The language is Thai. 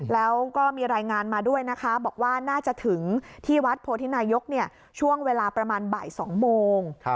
แล้วก็มีรายงานมาด้วยนะคะบอกว่าน่าจะถึงที่วัดโพธินายกช่วงเวลาประมาณบ่าย๒โมง